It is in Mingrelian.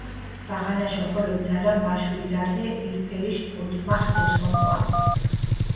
ბაღანაშო ხოლო ძალამ მაშულიდარიე ირფელიშ ოწმახ ესხუნუა.